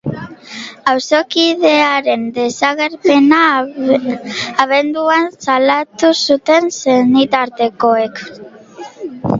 Auzokidearen desagerpena abenduan salatu zuten senitartekoek.